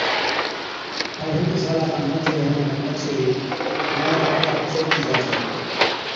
ائُون هيڪي سالا کن مٿي هُوَڻي کن پڇي ملَي آپڪي آپ ڇوڙتِي جا ڇَي